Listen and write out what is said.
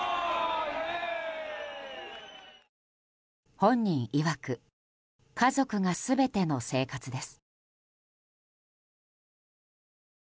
本人いわく家族が全ての生活です。